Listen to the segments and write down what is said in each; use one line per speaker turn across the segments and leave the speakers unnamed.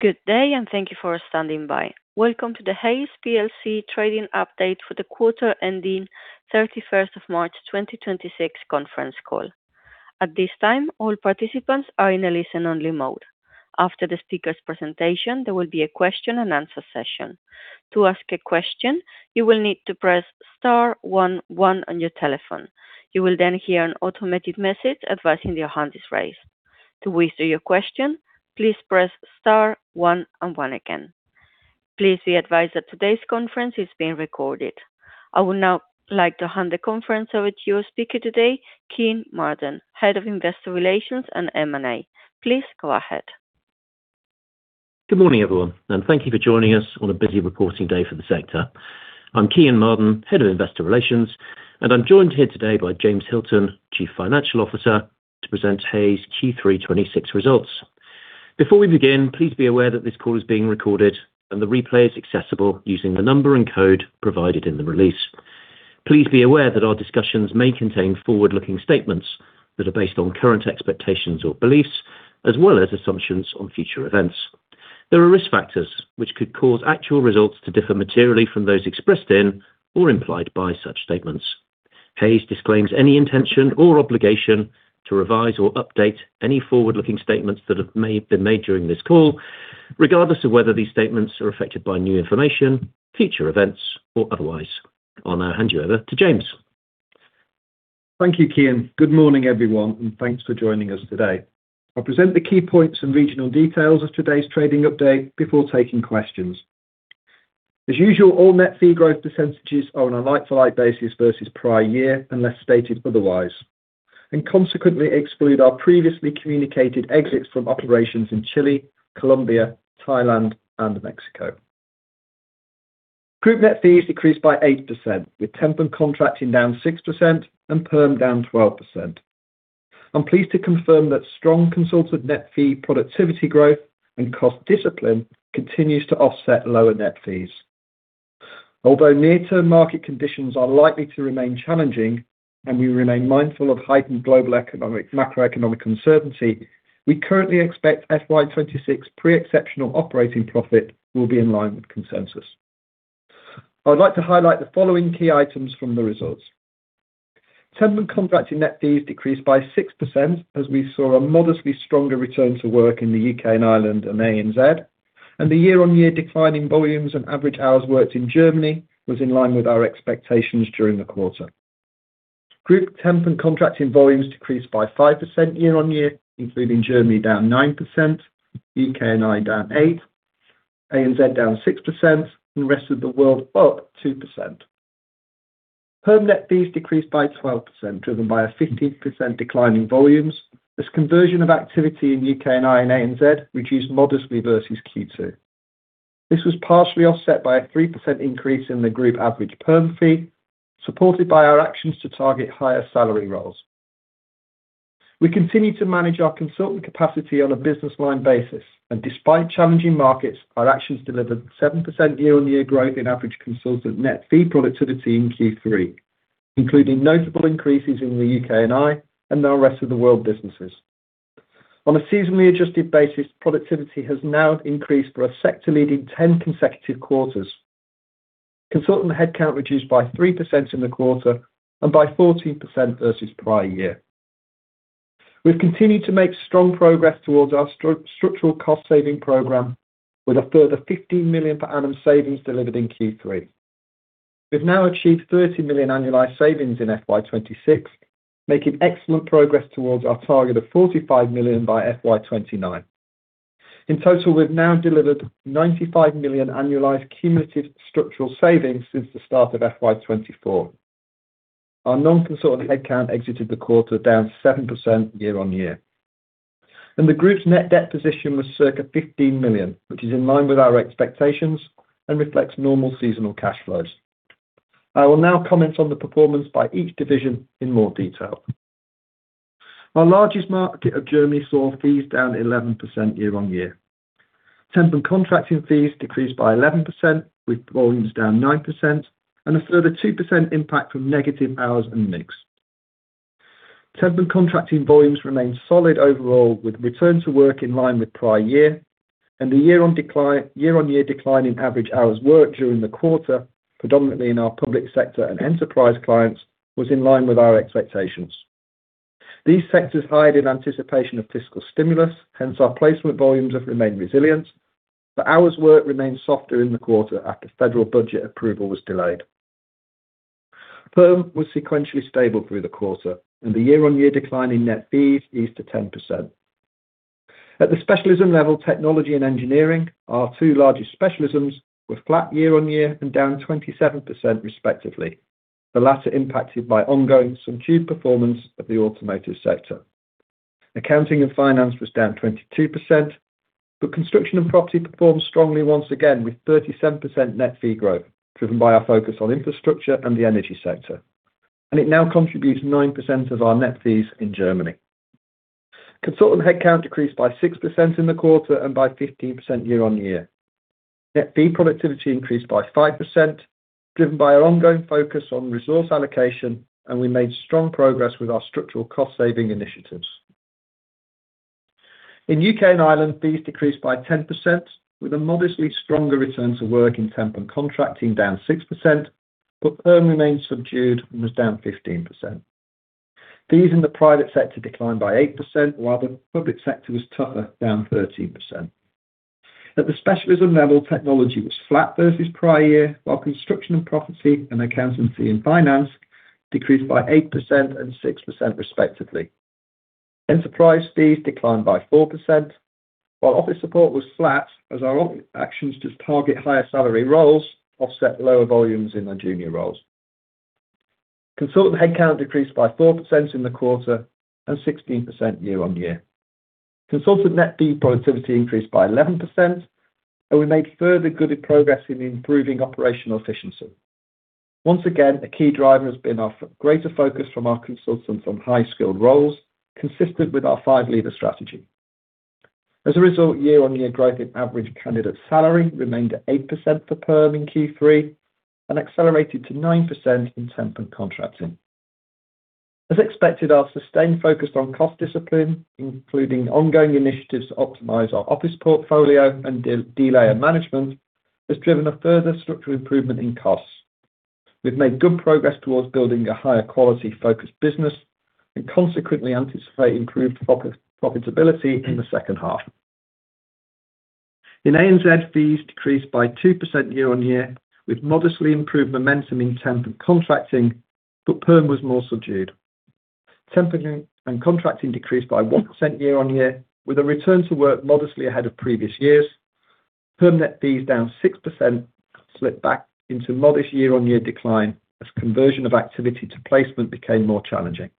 Good day, and thank you for standing by. Welcome to the Hays plc Trading Update for the Quarter Ending 31st of March 2026 Conference Call. At this time, all participants are in a listen-only mode. After the speaker's presentation, there will be a question-and-answer session. To ask a question, you will need to press star one one on your telephone. You will then hear an automated message advising your hand is raised. To withdraw your question, please press star one and one again. Please be advised that today's conference is being recorded. I would now like to hand the conference over to your speaker today, Kean Marden, Head of Investor Relations and M&A. Please go ahead.
Good morning, everyone, and thank you for joining us on a busy reporting day for the sector. I'm Kean Marden, Head of Investor Relations, and I'm joined here today by James Hilton, Chief Financial Officer, to present Hays' Q3 2026 results. Before we begin, please be aware that this call is being recorded and the replay is accessible using the number and code provided in the release. Please be aware that our discussions may contain forward-looking statements that are based on current expectations or beliefs as well as assumptions on future events. There are risk factors which could cause actual results to differ materially from those expressed in or implied by such statements. Hays disclaims any intention or obligation to revise or update any forward-looking statements that may have been made during this call, regardless of whether these statements are affected by new information, future events, or otherwise. I'll now hand you over to James.
Thank you, Kean. Good morning, everyone, and thanks for joining us today. I'll present the key points and regional details of today's trading update before taking questions. As usual, all net fee growth percentages are on a like-for-like basis versus prior year, unless stated otherwise, and consequently exclude our previously communicated exits from operations in Chile, Colombia, Thailand, and Mexico. Group net fees decreased by 8%, with Temp and Contracting down 6% and perm down 12%. I'm pleased to confirm that strong consultant net fee productivity growth and cost discipline continues to offset lower net fees. Although near-term market conditions are likely to remain challenging and we remain mindful of heightened global macroeconomic uncertainty, we currently expect FY 2026 pre-exceptional operating profit will be in line with consensus. I would like to highlight the following key items from the results. Temp and Contracting net fees decreased by 6% as we saw a modestly stronger return to work in the U.K. & Ireland and ANZ. The year-on-year decline in volumes and average hours worked in Germany was in line with our expectations during the quarter. Group Temp and Contracting volumes decreased by 5% year-on-year, including Germany down 9%, U.K. and Ireland down 8%, ANZ down 6%, and the rest of the world up 2%. Perm net fees decreased by 12%, driven by a 15% decline in volumes, as conversion of activity in U.K. and Ireland and ANZ reduced modestly versus Q2. This was partially offset by a 3% increase in the group average perm fee, supported by our actions to target higher salary roles. We continue to manage our consultant capacity on a business line basis, and despite challenging markets, our actions delivered 7% year-on-year growth in average consultant net fee productivity in Q3, including notable increases in the U.K. and Ireland and our rest of the world businesses. On a seasonally adjusted basis, productivity has now increased for a sector-leading 10 consecutive quarters. Consultant headcount reduced by 3% in the quarter and by 14% versus prior year. We've continued to make strong progress towards our structural cost-saving program, with a further 15 million per annum savings delivered in Q3. We've now achieved 30 million annualized savings in FY 2026, making excellent progress towards our target of 45 million by FY 2029. In total, we've now delivered 95 million annualized cumulative structural savings since the start of FY 2024. Our non-consultant headcount exited the quarter down 7% year-on-year. The group's net debt position was circa 15 million, which is in line with our expectations and reflects normal seasonal cash flows. I will now comment on the performance by each division in more detail. Our largest market, Germany, saw fees down 11% year-on-year. Temp and Contracting fees decreased by 11%, with volumes down 9%, and a further 2% impact from negative hours and mix. Temp and Contracting volumes remained solid overall with return to work in line with prior year. The year-on-year decline in average hours worked during the quarter, predominantly in our public sector and Enterprise Solutions clients, was in line with our expectations. These sectors hired in anticipation of fiscal stimulus, hence our placement volumes have remained resilient, but hours worked remained softer in the quarter after federal budget approval was delayed. Perm was sequentially stable through the quarter, and the year-on-year decline in net fees eased to 10%. At the specialism level, technology and engineering, our two largest specialisms, were flat year-on-year and down 27% respectively, the latter impacted by ongoing subdued performance of the automotive sector. Accounting and finance was down 22%, but construction and property performed strongly once again with 37% net fee growth, driven by our focus on infrastructure and the energy sector. It now contributes 9% of our net fees in Germany. Consultant headcount decreased by 6% in the quarter and by 15% year-on-year. Net fee productivity increased by 5%, driven by our ongoing focus on resource allocation, and we made strong progress with our structural cost-saving initiatives. In U.K. and Ireland, fees decreased by 10%, with a modestly stronger return to work in temp and contracting down 6%, but perm remains subdued and was down 15%. Fees in the private sector declined by 8%, while the public sector was tougher, down 13%. At the specialism level, technology was flat versus prior year, while construction, property, and accountancy and finance decreased by 8% and 6% respectively. Enterprise fees declined by 4%, while office support was flat as our actions to target higher salary roles offset lower volumes in the junior roles. Consultant headcount decreased by 4% in the quarter and 16% year-on-year. Consultant net fee productivity increased by 11%, and we made further good progress in improving operational efficiency. Once again, a key driver has been our greater focus from our consultants on high-skilled roles, consistent with our Five Levers strategy. As a result, year-on-year growth in average candidate salary remained at 8% for perm in Q3 and accelerated to 9% in Temp and Contracting. As expected, our sustained focus on cost discipline, including ongoing initiatives to optimize our office portfolio and de-layer management, has driven a further structural improvement in costs. We've made good progress towards building a higher quality, focused business and consequently anticipate improved profitability in the second half. In ANZ, fees decreased by 2% year-on-year, with modestly improved momentum in temp and contracting, but perm was more subdued. Temp and contracting decreased by 1% year-on-year, with a return to work modestly ahead of previous years. Perm net fees down 6%, slipped back into modest year-on-year decline as conversion of activity to placement became more challenging.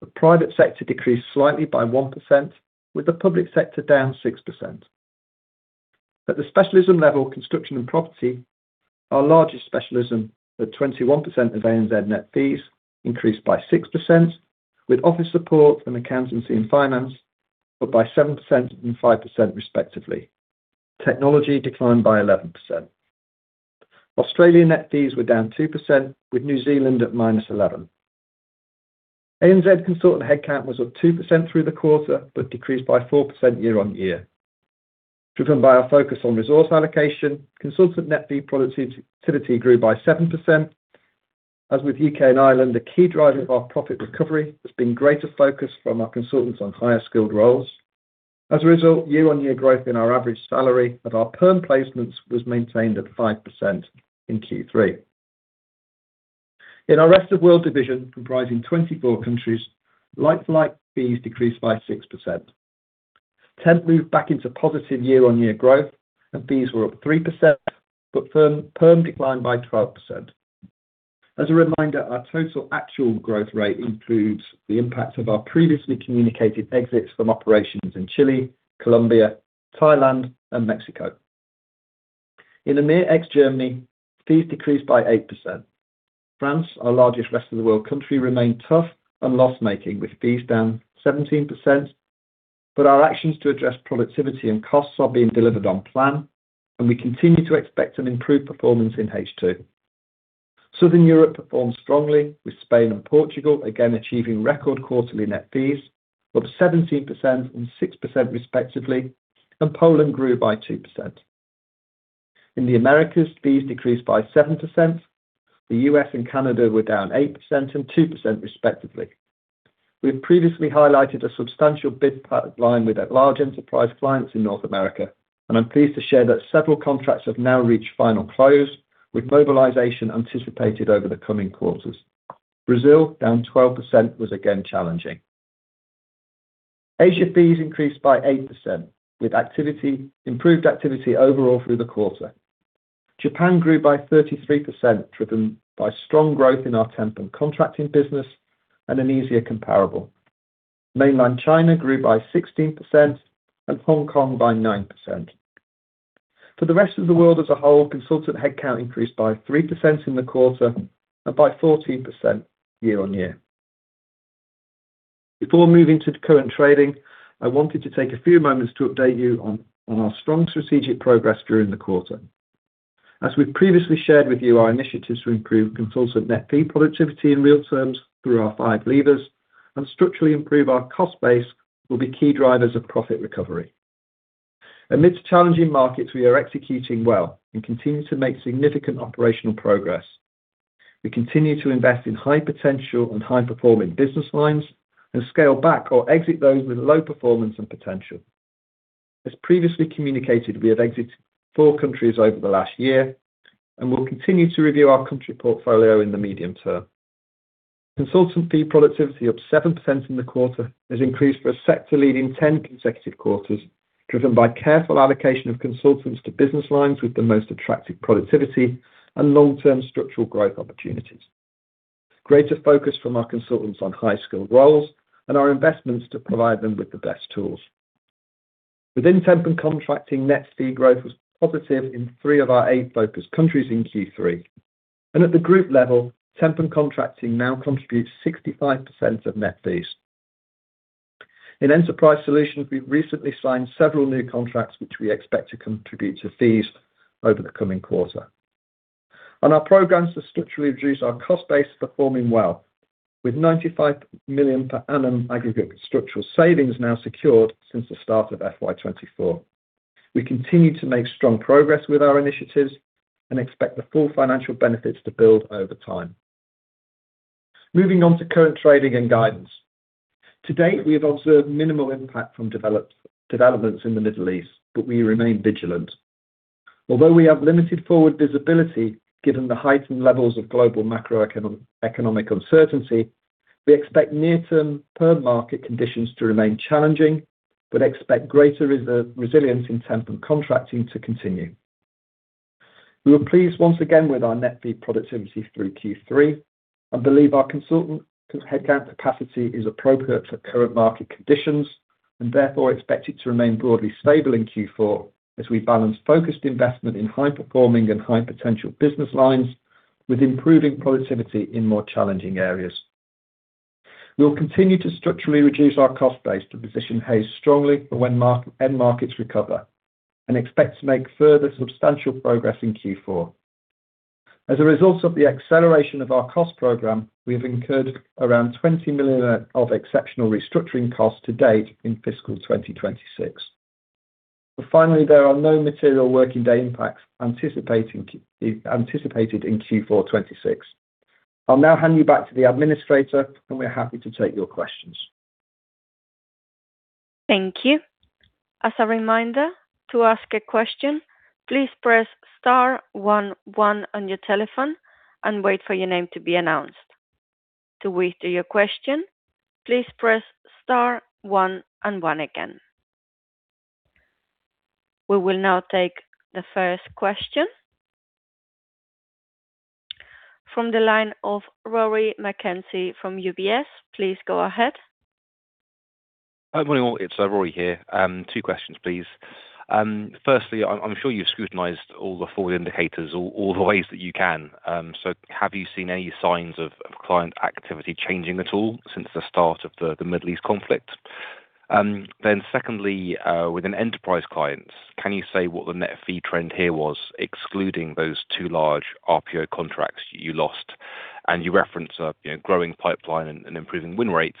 The private sector decreased slightly by 1%, with the public sector down 6%. At the specialism level, construction and property, our largest specialism at 21% of ANZ net fees, increased by 6%, with office support and accountancy and finance up by 7% and 5% respectively. Technology declined by 11%. Australian net fees were down 2%, with New Zealand at -11%. ANZ consultant headcount was up 2% through the quarter, but decreased by 4% year-on-year. Driven by our focus on resource allocation, consultant net fee productivity grew by 7%. As with U.K. & Ireland, the key driver of our profit recovery has been greater focus from our consultants on higher-skilled roles. As a result, year-on-year growth in our average salary of our perm placements was maintained at 5% in Q3. In our rest of world division, comprising 24 countries, like-for-like fees decreased by 6%. Temp moved back into positive year-on-year growth, and fees were up 3%, but perm declined by 12%. As a reminder, our total actual growth rate includes the impact of our previously communicated exits from operations in Chile, Colombia, Thailand, and Mexico. In EMEA ex-Germany, fees decreased by 8%. France, our largest rest of the world country, remained tough and loss-making, with fees down 17%. Our actions to address productivity and costs are being delivered on plan, and we continue to expect an improved performance in H2. Southern Europe performed strongly, with Spain and Portugal again achieving record quarterly net fees, up 17% and 6% respectively, and Poland grew by 2%. In the Americas, fees decreased by 7%. The U.S. and Canada were down 8% and 2%, respectively. We've previously highlighted a substantial bid pipeline with large enterprise clients in North America, and I'm pleased to share that several contracts have now reached final close, with mobilization anticipated over the coming quarters. Brazil, down 12%, was again challenging. Asia fees increased by 8%, with improved activity overall through the quarter. Japan grew by 33%, driven by strong growth in our Temp and Contracting business and an easier comparable. Mainland China grew by 16% and Hong Kong by 9%. For the rest of the world as a whole, consultant headcount increased by 3% in the quarter and by 14% year-on-year. Before moving to the current trading, I wanted to take a few moments to update you on our strong strategic progress during the quarter. As we've previously shared with you, our initiatives to improve consultant net fee productivity in real terms through our Five Levers and structurally improve our cost base will be key drivers of profit recovery. Amidst challenging markets, we are executing well and continue to make significant operational progress. We continue to invest in high-potential and high-performing business lines and scale back or exit those with low performance and potential. As previously communicated, we have exited four countries over the last year and will continue to review our country portfolio in the medium term. Consultant fee productivity up 7% in the quarter has increased for a sector-leading 10 consecutive quarters, driven by careful allocation of consultants to business lines with the most attractive productivity and long-term structural growth opportunities, greater focus from our consultants on high-skilled roles, and our investments to provide them with the best tools. Within Temp and Contracting, net fee growth was positive in three of our eight focus countries in Q3. At the group level, Temp and Contracting now contributes 65% of net fees. In Enterprise Solutions, we've recently signed several new contracts, which we expect to contribute to fees over the coming quarter. Our programs to structurally reduce our cost base are performing well, with 95 million per annum aggregate structural savings now secured since the start of FY 2024. We continue to make strong progress with our initiatives and expect the full financial benefits to build over time. Moving on to current trading and guidance. To date, we have observed minimal impact from developments in the Middle East, but we remain vigilant. Although we have limited forward visibility, given the heightened levels of global macroeconomic uncertainty, we expect near-term perm market conditions to remain challenging, but expect greater resilience in temp and contracting to continue. We were pleased once again with our net fee productivity through Q3 and believe our consultant headcount capacity is appropriate for current market conditions and, therefore expect it to remain broadly stable in Q4 as we balance focused investment in high-performing and high-potential business lines with improving productivity in more challenging areas. We will continue to structurally reduce our cost base to position Hays strongly for when end markets recover and expect to make further substantial progress in Q4. As a result of the acceleration of our cost program, we have incurred around 20 million of exceptional restructuring costs to date in fiscal 2026. Finally, there are no material working day impacts anticipated in Q4 2026. I'll now hand you back to the operator, and we're happy to take your questions.
Thank you. As a reminder, to ask a question, please press star one one on your telephone and wait for your name to be announced. To withdraw your question, please press star one and one again. We will now take the first question. From the line of Rory McKenzie from UBS. Please go ahead.
Morning all, it's Rory here. Two questions, please. Firstly, I'm sure you've scrutinized all the forward indicators all the ways that you can. Have you seen any signs of client activity changing at all since the start of the Middle East conflict? Secondly, within enterprise clients, can you say what the net fee trend here was, excluding those two large RPO contracts you lost? You reference a growing pipeline and improving win rates.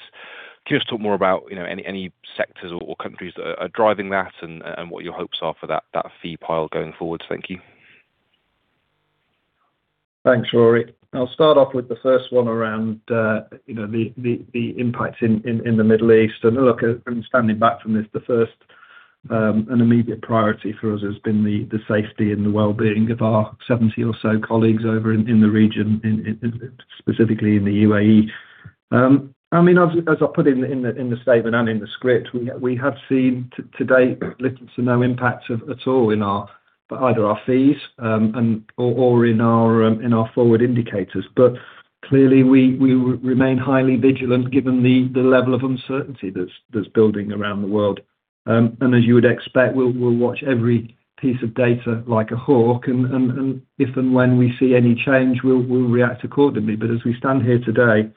Can you just talk more about any sectors or companies that are driving that and what your hopes are for that fee pipeline going forward? Thank you.
Thanks, Rory. I'll start off with the first one around the impacts in the Middle East. Look, standing back from this, the first, an immediate priority for us has been the safety and the well-being of our 70 or so colleagues over in the region, specifically in the UAE. As I put in the statement and in the script, we have seen to date little to no impact at all in either our fees or in our forward indicators. Clearly we remain highly vigilant given the level of uncertainty that's building around the world. As you would expect, we'll watch every piece of data like a hawk and if and when we see any change, we'll react accordingly. As we stand here today,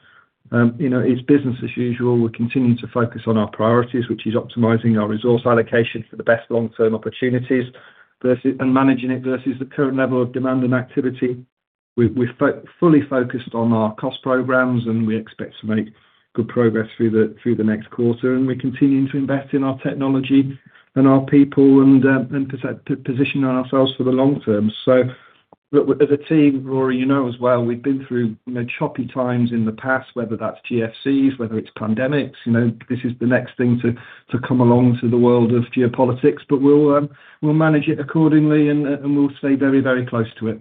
it's business as usual. We're continuing to focus on our priorities, which is optimizing our resource allocation for the best long-term opportunities and managing it versus the current level of demand and activity. We're fully focused on our cost programs, and we expect to make good progress through the next quarter. We're continuing to invest in our technology and our people and position ourselves for the long term. As a team, Rory, you know as well, we've been through choppy times in the past, whether that's GFCs, whether it's pandemics, this is the next thing to come along to the world of geopolitics. We'll manage it accordingly and we'll stay very, very close to it.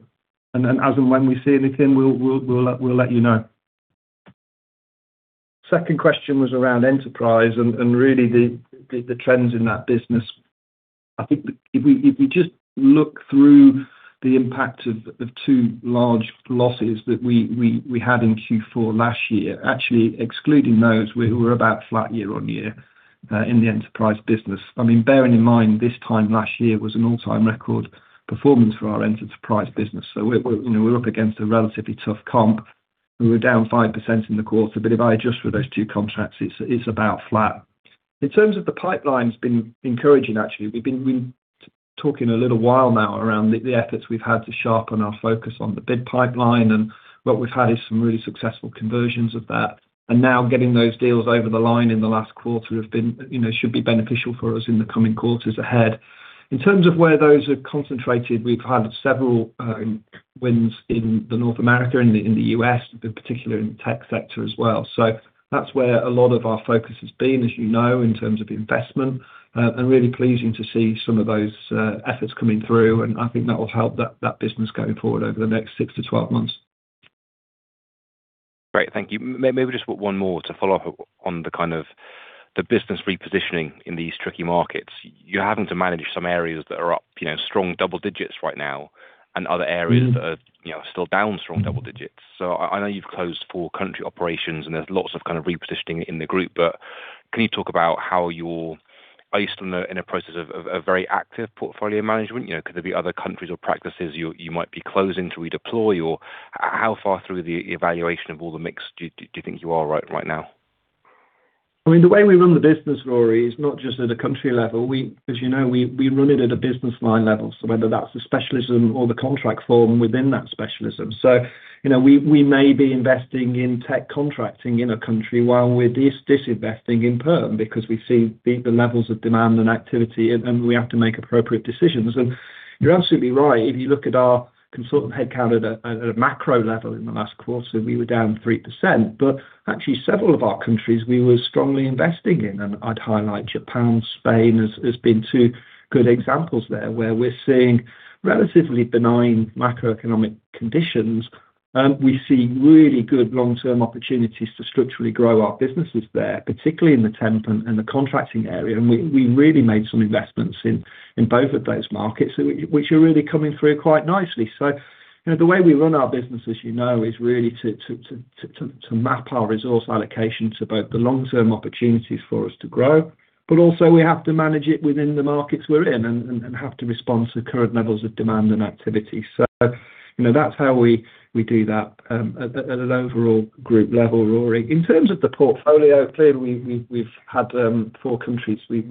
As and when we see anything, we'll let you know. Second question was around enterprise and really the trends in that business. I think if we just look through the impact of the two large losses that we had in Q4 last year, actually excluding those, we're about flat year-over-year in the enterprise business. Bearing in mind this time last year was an all-time record performance for our enterprise business. We're up against a relatively tough comp. We were down 5% in the quarter, but if I adjust for those two contracts, it's about flat. In terms of the pipeline's been encouraging, actually. We've been talking a little while now around the efforts we've had to sharpen our focus on the bid pipeline, and what we've had is some really successful conversions of that. Now getting those deals over the line in the last quarter should be beneficial for us in the coming quarters ahead. In terms of where those are concentrated, we've had several wins in North America and in the U.S., in particular in the tech sector as well. That's where a lot of our focus has been, as you know, in terms of investment, and really pleasing to see some of those efforts coming through, and I think that will help that business going forward over the next 6-12 months.
Great. Thank you. Maybe just one more to follow up on the kind of the business repositioning in these tricky markets. You're having to manage some areas that are up strong double digits right now and other areas that are still down strong double digits. I know you've closed four country operations and there's lots of kind of repositioning in the group, but can you talk about, how you're still in a process of a very active portfolio management? Could there be other countries or practices you might be closing to redeploy, or how far through the evaluation of all the mix do you think you are right now?
The way we run the business, Rory, is not just at a country level. As you know, we run it at a business line level, whether that's the specialism or the contract form within that specialism. We may be investing in tech contracting in a country while we're disinvesting in Permanent, because we see the levels of demand and activity, and we have to make appropriate decisions. You're absolutely right. If you look at our consultant headcount at a macro level in the last quarter, we were down 3%. Actually, several of our countries we were strongly investing in, and I'd highlight Japan, Spain, as being two good examples there, where we're seeing relatively benign macroeconomic conditions. We see really good long-term opportunities to structurally grow our businesses there, particularly in the temp and the contracting area. We really made some investments in both of those markets, which are really coming through quite nicely. The way we run our business, as you know, is really to map our resource allocation to both the long-term opportunities for us to grow. Also, we have to manage it within the markets we're in and have to respond to current levels of demand and activity. That's how we do that at an overall group level, Rory. In terms of the portfolio, clearly, we've had four countries we've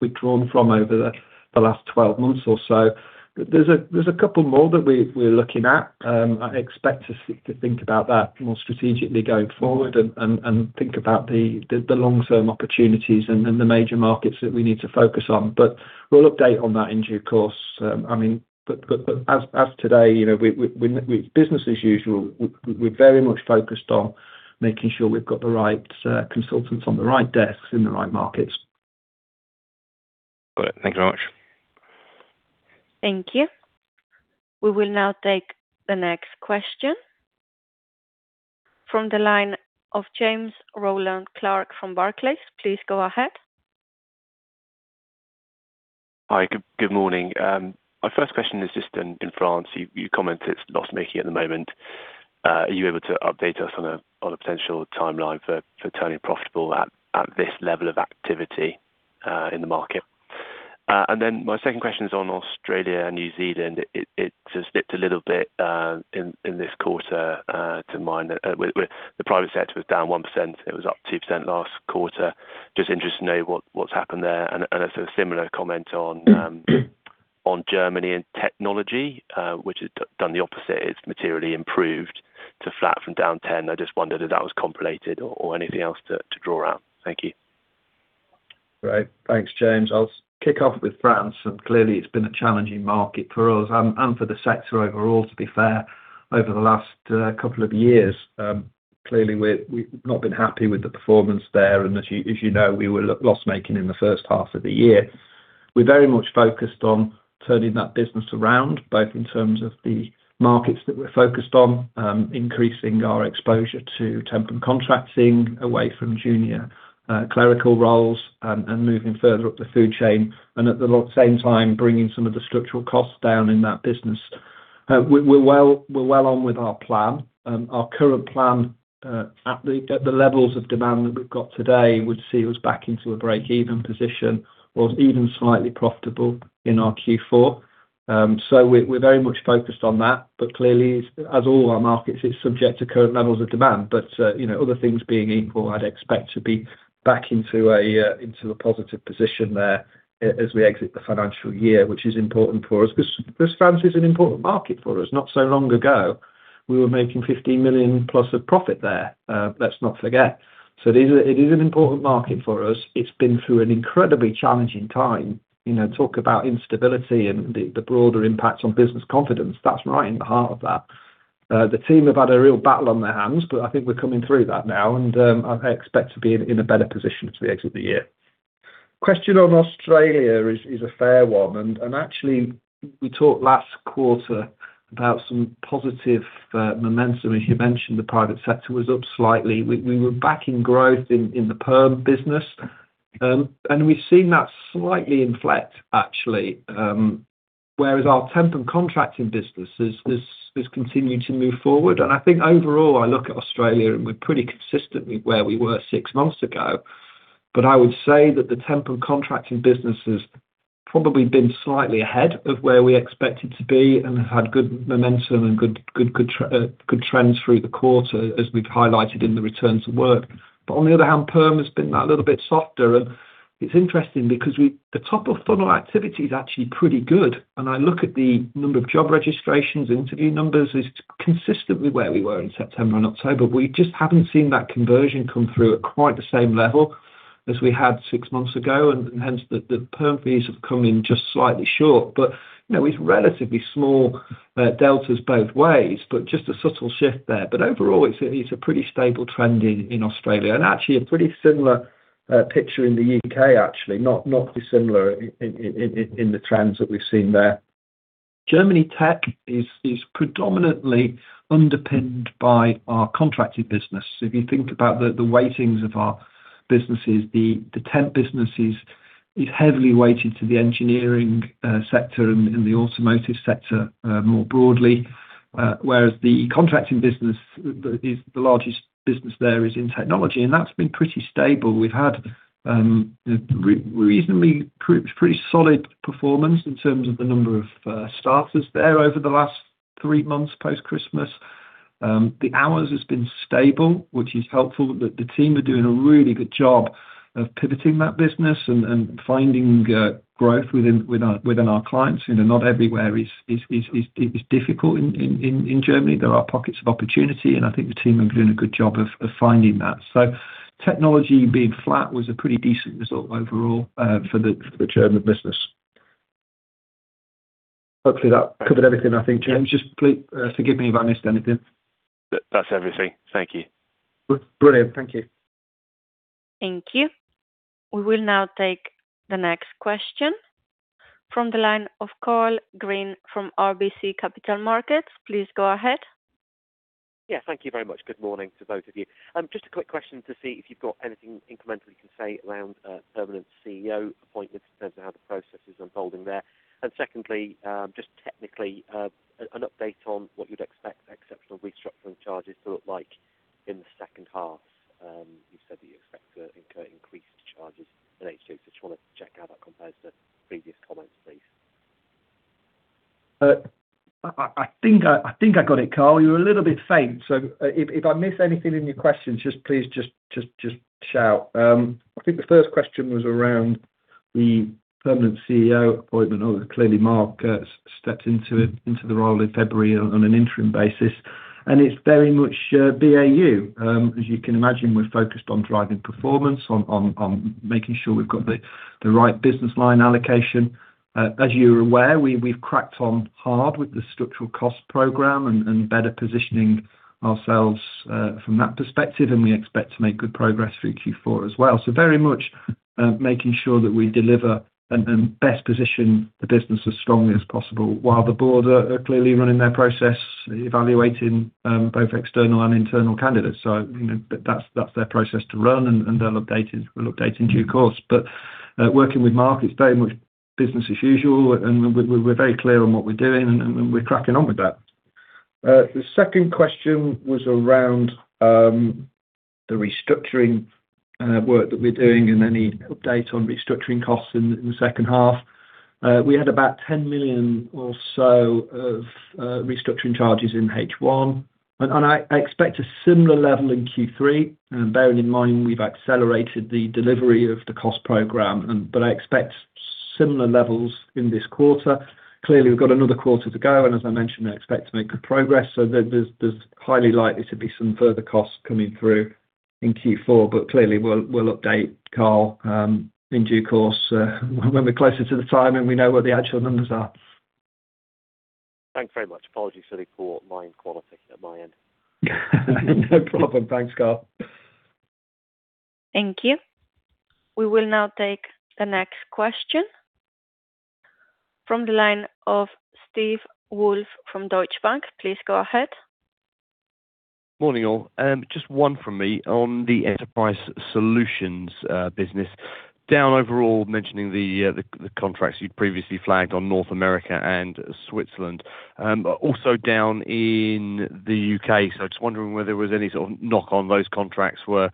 withdrawn from over the last 12 months or so. There's a couple more that we're looking at. I expect us to think about that more strategically going forward and think about the long-term opportunities and the major markets that we need to focus on. We'll update on that in due course. As of today, business as usual. We're very much focused on making sure we've got the right consultants on the right desks in the right markets.
Got it. Thank you very much.
Thank you. We will now take the next question from the line of James Rowland Clark from Barclays. Please go ahead.
Hi, good morning. My first question is just in France. You commented it's loss-making at the moment. Are you able to update us on a potential timeline for turning profitable at this level of activity in the market? My second question is on Australia and New Zealand. It just dipped a little bit in this quarter to -1%. The private sector was down 1%. It was up 2% last quarter. Just interested to know what's happened there. A sort of similar comment on Germany and technology, which has done the opposite. It's materially improved to flat from down 10%. I just wondered if that was correlated or anything else to draw out. Thank you.
Great. Thanks, James. I'll kick off with France. Clearly, it's been a challenging market for us and for the sector overall, to be fair, over the last couple of years. Clearly, we've not been happy with the performance there. As you know, we were loss-making in the first half of the year. We're very much focused on turning that business around, both in terms of the markets that we're focused on, increasing our exposure to Temp and Contracting away from junior clerical roles, and moving further up the food chain. At the same time, bringing some of the structural costs down in that business. We're well on with our plan. Our current plan at the levels of demand that we've got today would see us back into a break-even position or even slightly profitable in our Q4. We're very much focused on that. Clearly, as all our markets, it's subject to current levels of demand. Other things being equal, I'd expect to be back into a positive position there as we exit the financial year, which is important for us because France is an important market for us. Not so long ago, we were making 15 million+ of profit there. Let's not forget. It is an important market for us. It's been through an incredibly challenging time. Talk about instability and the broader impacts on business confidence, that's right in the heart of that. The team have had a real battle on their hands, but I think we're coming through that now, and I expect to be in a better position as we exit the year. Question on Australia is a fair one, and actually, we talked last quarter about some positive momentum. As you mentioned, the private sector was up slightly. We were back in growth in the Permanent business, and we've seen that slightly inflect, actually, whereas our Temp and Contracting business is continuing to move forward. I think overall, I look at Australia, and we're pretty consistently where we were six months ago. I would say that the Temp and Contracting business has probably been slightly ahead of where we expect it to be, and had good momentum and good trends through the quarter, as we've highlighted in the returns to work. On the other hand, Permanent has been that little bit softer, and it's interesting because the top-of-funnel activity is actually pretty good. I look at the number of job registrations, interview numbers. It's consistently where we were in September and October. We just haven't seen that conversion come through at quite the same level as we had six months ago. Hence, the Permanent fees have come in just slightly short, but it's relatively small deltas both ways, but just a subtle shift there. Overall, it's a pretty stable trend in Australia and actually a pretty similar picture in the U.K., actually. Not dissimilar in the trends that we've seen there. German tech is predominantly underpinned by our contracted business. If you think about the weightings of our businesses, the temp business is heavily weighted to the engineering sector and the automotive sector more broadly. Whereas the contracting business is the largest business there is in technology, and that's been pretty stable. We've had reasonably pretty solid performance in terms of the number of starters there over the last three months post-Christmas. The hours has been stable, which is helpful. The team are doing a really good job of pivoting that business and finding growth within our clients. Not everywhere is difficult in Germany. There are pockets of opportunity, and I think the team have been doing a good job of finding that. Technology being flat was a pretty decent result overall for the German business. Hopefully that covered everything, I think, James. Just please forgive me if I missed anything.
That's everything. Thank you.
Brilliant. Thank you.
Thank you. We will now take the next question from the line of Karl Green from RBC Capital Markets. Please go ahead.
Yeah. Thank you very much. Good morning to both of you. Just a quick question to see if you've got anything incremental you can say around permanent CEO appointment in terms of how the process is unfolding there. Secondly, just technically, an update on what you'd expect exceptional restructuring charges to look like in the second half. You said that you expect to incur increased charges in H2, so trying to check how that compares to previous comments, please.
I think I got it, Karl. You were a little bit faint, so if I miss anything in your questions, just please shout. I think the first question was around the permanent CEO appointment. Although clearly Mark stepped into the role in February on an interim basis, and it's very much BAU. As you can imagine, we're focused on driving performance, on making sure we've got the right business line allocation. As you're aware, we've cracked on hard with the structural cost program and better positioning ourselves from that perspective, and we expect to make good progress through Q4 as well. Very much making sure that we deliver and best position the business as strongly as possible while the board are clearly running their process, evaluating both external and internal candidates. That's their process to run, and we'll update in due course. Working with Mark, it's very much business as usual, and we're very clear on what we're doing, and we're cracking on with that. The second question was around the restructuring work that we're doing and any update on restructuring costs in the second half. We had about 10 million or so of restructuring charges in H1, and I expect a similar level in Q3. Bearing in mind we've accelerated the delivery of the cost program, but I expect similar levels in this quarter. Clearly, we've got another quarter to go, and as I mentioned, I expect to make good progress. There's highly likely to be some further costs coming through in Q4. Clearly, we'll update Karl in due course when we're closer to the time, and we know where the actual numbers are.
Thanks very much. Apologies for the poor line quality at my end.
No problem. Thanks, Karl.
Thank you. We will now take the next question from the line of Steve Woolf from Deutsche Bank. Please go ahead.
Morning, all. Just one from me on the Enterprise Solutions business. Down overall, mentioning the contracts you previously flagged on North America and Switzerland, also down in the UK. I was just wondering whether there was any sort of knock on those contracts were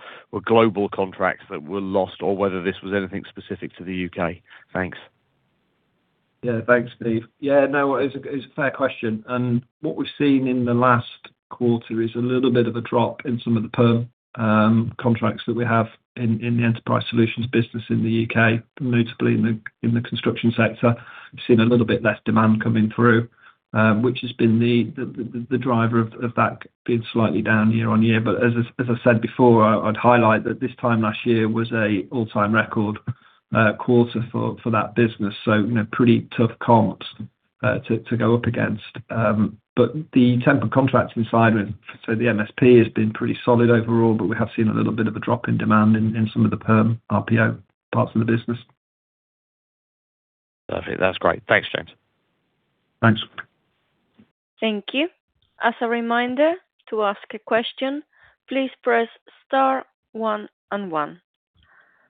global contracts that were lost or whether this was anything specific to the U.K. Thanks.
Yeah. Thanks, Steve. Yeah, no, it's a fair question. What we've seen in the last quarter is a little bit of a drop in some of the Permanent contracts that we have in the Enterprise Solutions business in the U.K., notably in the construction sector. We've seen a little bit less demand coming through, which has been the driver of that being slightly down year-over-year. As I said before, I'd highlight that this time last year was an all-time record quarter for that business. Pretty tough comps to go up against. The Temp and Contracting side of it, so the MSP has been pretty solid overall, but we have seen a little bit of a drop in demand in some of the Permanent RPO parts of the business.
Perfect. That's great. Thanks, James.
Thanks.
Thank you. As a reminder to ask question, please press star one one.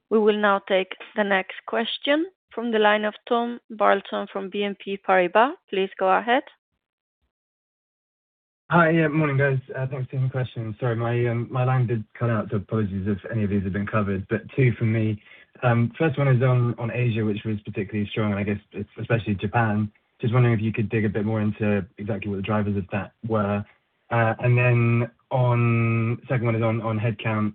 We will now take the next question from the line of Tom Barton from BNP Paribas. Please go ahead.
Hi. Yeah, morning, guys. Thanks for taking the question. Sorry, my line did cut out, so apologies if any of these have been covered, but two from me. First one is on Asia, which was particularly strong, and I guess it's especially Japan. Just wondering if you could dig a bit more into exactly what the drivers of that were. Second one is on headcount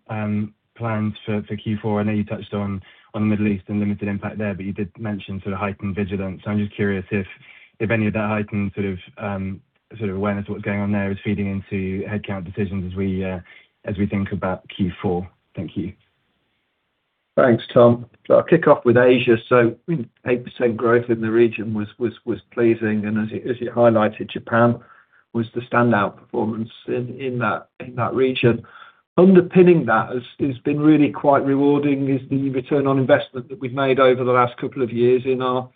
plans for Q4. I know you touched on the Middle East and limited impact there, but you did mention sort of heightened vigilance. I'm just curious if any of that heightened sort of awareness of what's going on there is feeding into headcount decisions as we think about Q4. Thank you.
Thanks, Tom. I'll kick off with Asia. 8% growth in the region was pleasing, and as you highlighted, Japan was the standout performance in that region. Underpinning that has been really quite rewarding is the return on investment that we've made over the last couple of years in our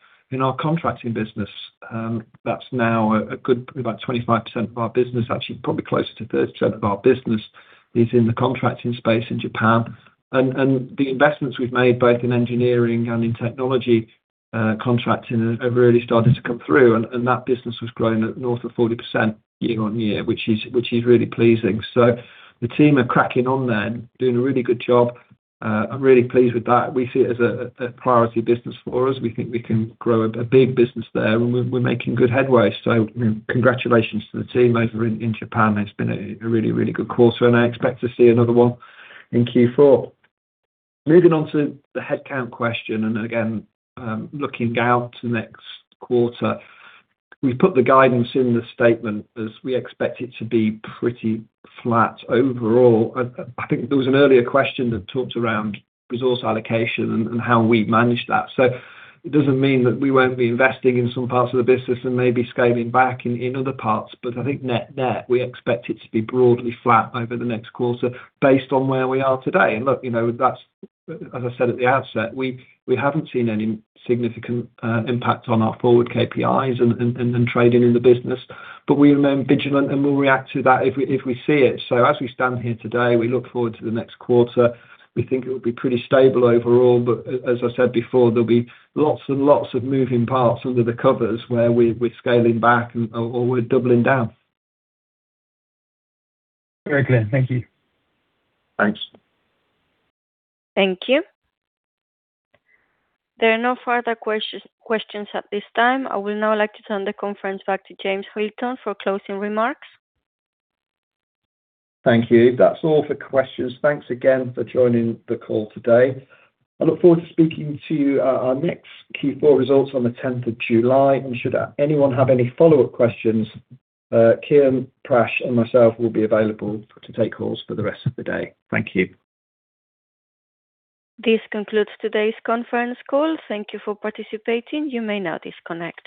contracting business. That's now a good probably about 25% of our business, actually, probably closer to 30% of our business is in the contracting space in Japan. The investments we've made both in engineering and in technology contracting have really started to come through, and that business was growing at north of 40% year-on-year, which is really pleasing. The team are cracking on then, doing a really good job. I'm really pleased with that. We see it as a priority business for us. We think we can grow a big business there, and we're making good headway. Congratulations to the team over in Japan. It's been a really good quarter, and I expect to see another one in Q4. Moving on to the headcount question, and again, looking out to next quarter. We've put the guidance in the statement as we expect it to be pretty flat overall. I think there was an earlier question that talked around resource allocation and how we manage that. It doesn't mean that we won't be investing in some parts of the business and maybe scaling back in other parts. I think net, we expect it to be broadly flat over the next quarter based on where we are today. Look, as I said at the outset, we haven't seen any significant impact on our forward KPIs and trading in the business. We remain vigilant, and we'll react to that if we see it. As we stand here today, we look forward to the next quarter. We think it will be pretty stable overall, but as I said before, there'll be lots and lots of moving parts under the covers where we're scaling back or we're doubling down.
Very clear. Thank you.
Thanks.
Thank you. There are no further questions at this time. I would now like to turn the conference back to James Hilton for closing remarks.
Thank you. That's all for questions. Thanks again for joining the call today. I look forward to speaking to you at our next Q4 results on the 10th of July. Should anyone have any follow-up questions, Kean, Prash, and myself will be available to take calls for the rest of the day. Thank you.
This concludes today's conference call. Thank you for participating. You may now disconnect.